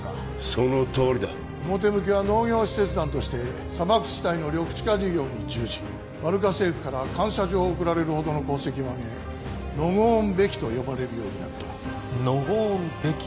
そのとおりだ表向きは農業使節団として砂漠地帯の緑地化事業に従事バルカ政府から感謝状を贈られるほどの功績を上げノゴーン・ベキと呼ばれるようになったノゴーン・ベキ？